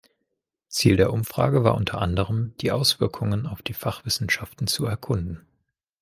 Ziel der Umfrage war unter anderem, die Auswirkungen auf die Fachwissenschaften zu erkunden.